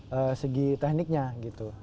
dari segi tekniknya gitu